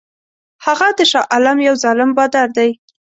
هغه د شاه عالم یو ظالم بادار دی.